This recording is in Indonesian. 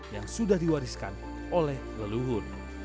yang sudah diwariskan oleh leluhur